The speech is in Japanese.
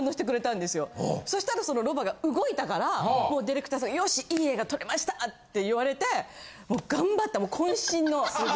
そしたらそのロバが動いたからディレクターさんが「よしいい画が撮れました」って言われて頑張った渾身の。